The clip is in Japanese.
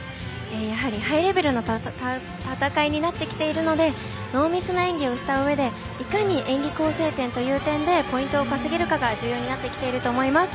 やはりハイレベルの戦いになってきているのでノーミスな演技をしたうえでいかに演技構成点という点でポイントを稼げるかが重要になってきていると思います。